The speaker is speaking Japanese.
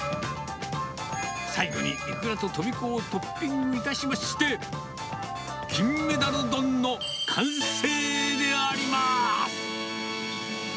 最後に、イクラとトビコをトッピングいたしまして、金メダル丼の完成であります。